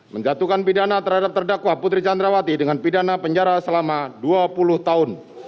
menjatuhkan pidana terhadap terdakwa putri candrawati dengan pidana penjara selama dua puluh tahun